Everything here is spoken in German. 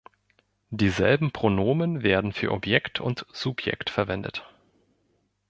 Dieselben Pronomen werden für Objekt und Subjekt verwendet.